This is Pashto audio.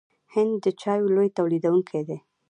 هند د چایو لوی تولیدونکی دی.